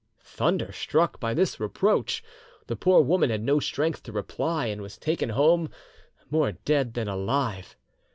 Thunderstruck by this reproach, the poor woman had no strength to reply, and was taken home more dead than alive.